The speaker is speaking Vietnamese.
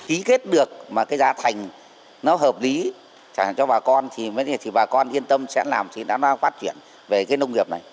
ý kết được mà cái giá thành nó hợp lý cho bà con thì bà con yên tâm sẽ làm thì nó phát triển về cái nông nghiệp này